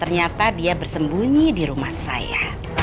ternyata dia bersembunyi di rumah saya